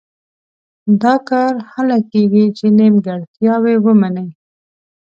دا کار هله کېږي چې نیمګړتیاوې ومني.